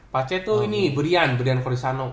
pace tuh ini berian berian corisano